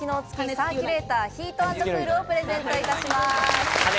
サーキュレーターヒート＆クール」をプレゼントいたします。